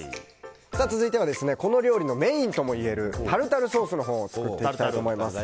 続いてはこの料理のメインともいえるタルタルソースを作っていきたいと思います。